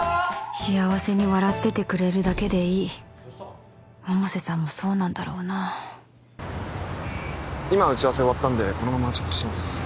幸せに笑っててくれるだけでいい百瀬さんもそうなんだろうな今打ち合わせ終わったんでこのまま直帰します